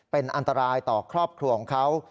เป็นอันตรายต่อครอบครัวของเขา